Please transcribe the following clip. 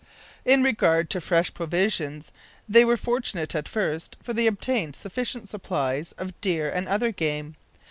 In regard to fresh provisions they were fortunate at first, for they obtained sufficient supplies of deer and other game.